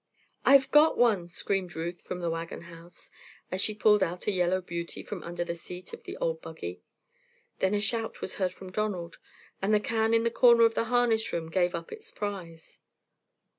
"I've got one!" screamed Ruth from the wagon house, as she pulled out a yellow beauty from under the seat of the old buggy. Then a shout was heard from Donald, and the can in the corner of the harness room gave up its prize.